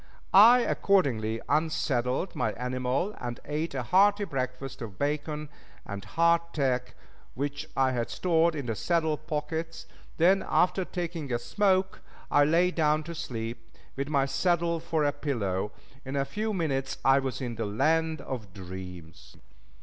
I accordingly unsaddled my animal and ate a hearty breakfast of bacon and hardtack which I had stored in the saddle pockets; then, after taking a smoke, I lay down to sleep, with my saddle for a pillow. In a few minutes I was in the land of dreams.